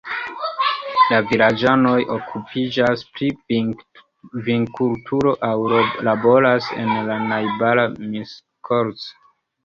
La vilaĝanoj okupiĝas pri vinkulturo aŭ laboras en la najbara Miskolc.